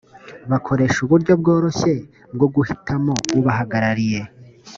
bakoresha uburyo bworoshye bwo guhitamo ubahagarariye